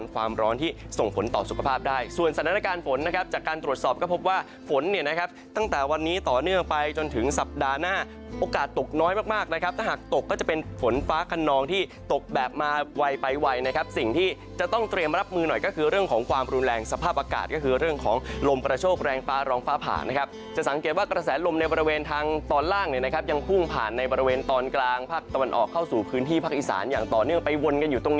ขนองที่ตกแบบมาไวไปไวนะครับสิ่งที่จะต้องเตรียมรับมือหน่อยก็คือเรื่องของความรุนแรงสภาพอากาศก็คือเรื่องของลมประโชคแรงฟ้ารองฟ้าผ่านนะครับจะสังเกตว่ากระแสลมในบริเวณทางตอนล่างเนี่ยนะครับยังพุ่งผ่านในบริเวณตอนกลางภาคตะวันออกเข้าสู่พื้นที่ภาคอิสานอย่างต่อเนื่องไปวนกันอยู่ต